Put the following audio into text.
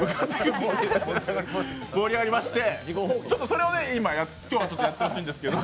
盛り上がりまして、今日はやってほしいんですけど。